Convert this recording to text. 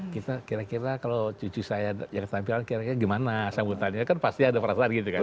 kita kira kira kalau cucu saya yang tampilan kira kira gimana sambutannya kan pasti ada perasaan gitu kan